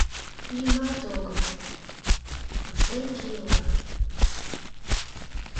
— Нимат огыл... пушеҥге ила...